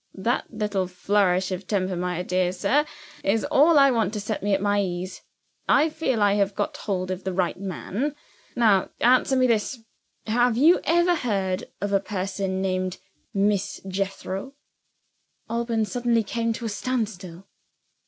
"That little flourish of temper, my dear sir, is all I want to set me at my ease. I feel I have got hold of the right man. Now answer me this. Have you ever heard of a person named Miss Jethro?" Alban suddenly came to a standstill.